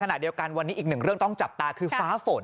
ขณะเดียวกันวันนี้อีกหนึ่งเรื่องต้องจับตาคือฟ้าฝน